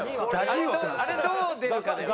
あれどう出るかだよね。